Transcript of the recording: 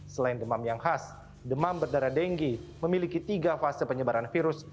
selain demam yang khas demam berdarah dengue memiliki tiga fase penyebaran virus